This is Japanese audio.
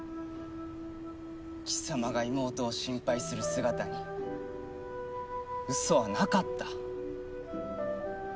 貴様が妹を心配する姿にウソはなかった。